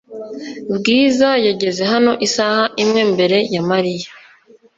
Bwiza yageze hano isaha imwe mbere ya Mariya .